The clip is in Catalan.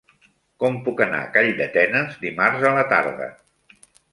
Com puc anar a Calldetenes dimarts a la tarda?